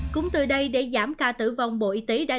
cũng từ đây để giảm ca tử vong bộ y tế đã đảm bảo